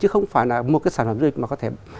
không phải là một sản phẩm du lịch mà có thể